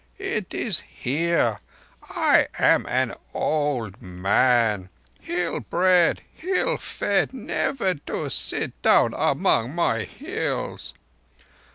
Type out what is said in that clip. It is here ... I am an old man ... hill bred, hill fed, never to sit down among my Hills.